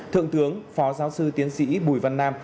thượng tướng phó giáo sư tiến sĩ bùi văn nam